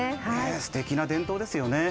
すてきな伝統ですよね。